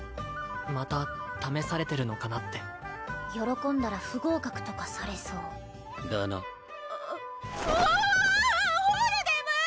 また試されてるのかなって喜んだら不合格とかされそうだなうわわわわんホルデム！